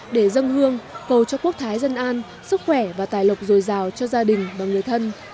để dân hương cầu cho quốc thái dân an sức khỏe và tài lộc dồi dào cho gia đình và người thân